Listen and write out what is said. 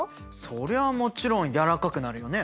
そりゃもちろん軟らかくなるよね。